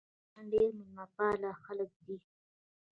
افغانان ډېر میلمه پال خلک دي.